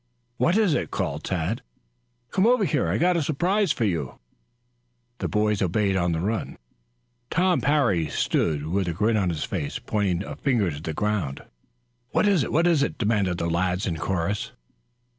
"What is it?" called Tad. "Come over here. I've got a surprise for you." The boys obeyed on the run. Tom Parry stood with a grin on his face, pointing a finger to the ground. "What is it? What is it?" demanded the lads in chorus.